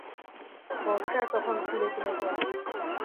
বর্ষায় তখন কূলে কূলে জল।